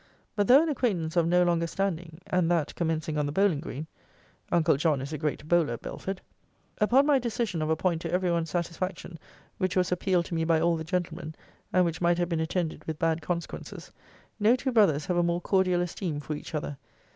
But though an acquaintance of no longer standing, and that commencing on the bowling green, [uncle John is a great bowler, Belford,] (upon my decision of a point to every one's satisfaction, which was appealed to me by all the gentlemen, and which might have been attended with bad consequences,) no two brothers have a more cordial esteem for each other.